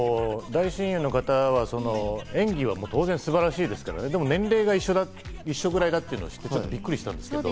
大親友の方は演技は当然、素晴らしいですけど、年齢が一緒くらいだということを知ってびっくりしたんですけど。